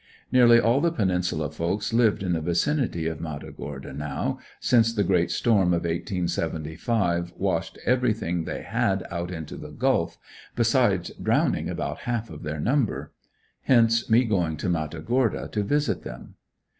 Nearly all the Peninsula folks lived in the vicinity of Matagorda now since the great storm of 1875, washed everything they had out into the Gulf, besides drowning about half of their number. Hence me going to Matagorda to visit them.